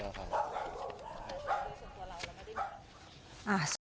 ส่วนตัวเราเราไม่ได้แบบ